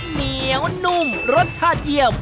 เหนียวนุ่มรสชาติเยี่ยม